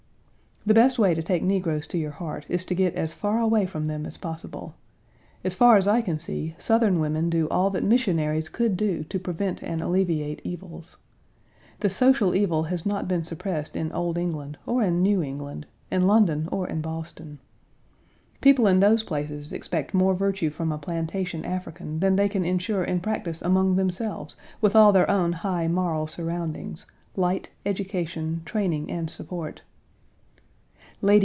The best way to take negroes to your heart is to get as far away from them as possible. As far as I can see, Southern women do all that missionaries could do to prevent and alleviate evils. The social evil has not been suppressed in old England or in New England, in London or in Boston. People in those places expect more virtue from a plantation African than they can insure in practise among themselves with all their own high moral surroundings light, education, training, and support.